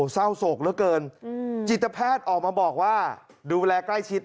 เศร้าโศกเหลือเกินจิตแพทย์ออกมาบอกว่าดูแลใกล้ชิด